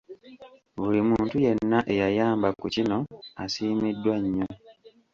Buli muntu yenna eyayamba ku kino asiimiddwa nnyo.